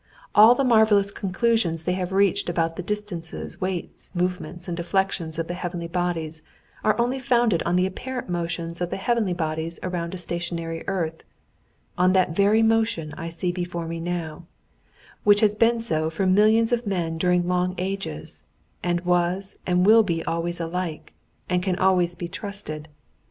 All the marvelous conclusions they have reached about the distances, weights, movements, and deflections of the heavenly bodies are only founded on the apparent motions of the heavenly bodies about a stationary earth, on that very motion I see before me now, which has been so for millions of men during long ages, and was and will be always alike, and can always be trusted.